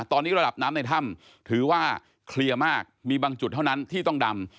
ตอนนี้ระดับน้ำในถ้ำถือว่าเคลียร์มากมีบางจุดเท่านั้นที่ต้องดำ